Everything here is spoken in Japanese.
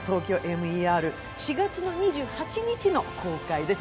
４月２８日の公開です。